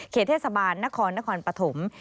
เทศบาลนครนครปฐม